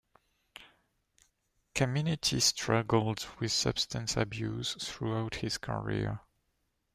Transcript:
Caminiti struggled with substance abuse throughout his career.